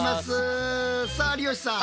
さあ有吉さん。